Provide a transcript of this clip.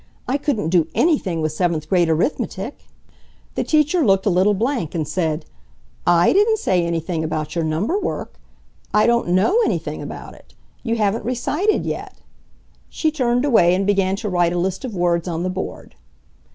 I couldn't do ANYthing with seventh grade arithmetic!" The teacher looked a little blank and said: "I didn't say anything about your number work! I don't KNOW anything about it! You haven't recited yet." She turned away and began to write a list of words on the board.